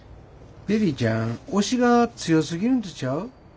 ベリーちゃん押しが強すぎるんとちゃう？